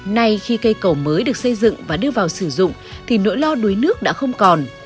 nay khi cây cầu mới được xây dựng và đưa vào sử dụng thì nỗi lo đuối nước đã không còn